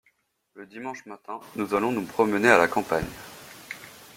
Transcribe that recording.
Le dimanche matin nous allons nous promener à la campagne.